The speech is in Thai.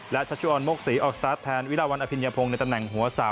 และชัชวอนโมกศรีออกสตาร์ทแทนวิราวันอภิญพงศ์ในตำแหน่งหัวสาว